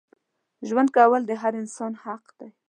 ژوند کول د هر انسان حق دی.